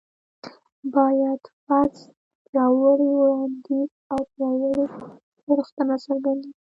بايد: فرض، پياوړی وړانديځ او پياوړې سپارښتنه څرګندوي